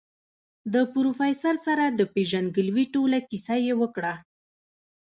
د پروفيسر سره د پېژندګلوي ټوله کيسه يې وکړه.